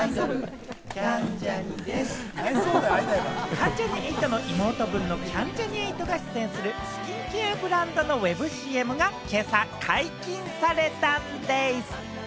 関ジャニ∞の妹分のキャンジャニ∞が出演するスキンケアブランドのＷｅｂＣＭが今朝、解禁されたんでぃす。